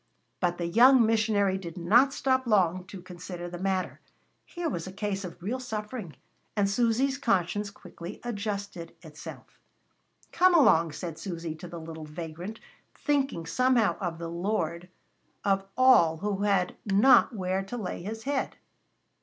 But the young missionary did not stop long to consider the matter, here was a case of real suffering, and Susy's conscience quickly adjusted itself "Come along," said Susy to the little vagrant, thinking somehow of the Lord of all who had not where to lay His head.